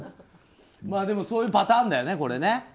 でも、そういうパターンだよねこれね。